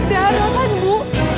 darah kan bu